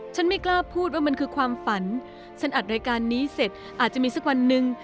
ไม่กล้าพูดว่ามันคือความฝันฉันอัดรายการนี้เสร็จอาจจะมีสักวันหนึ่ง